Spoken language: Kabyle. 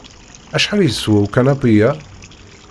Acḥal yeswa ukanapi-ya?